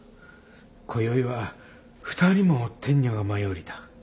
今宵は２人も天女が舞い降りた。